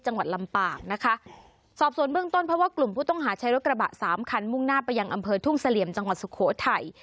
จังหวัดลำปางนะคะสอบส่วนเบื้องต้นเพราะว่ากลุ่มผู้ต้องหาใช้รถกระบะสามคันมุ่งหน้าไปยังอำเภอทุ่งเสลี่ยมจังหวัดสุโขทัย